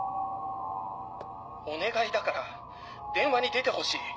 お願いだから電話に出てほしい。